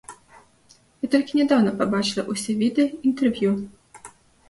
Я толькі нядаўна пабачыла ўсе відэа, інтэрв'ю.